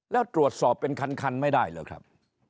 แล้วตรวจสอบเป็นคันไม่ได้เหรอครับ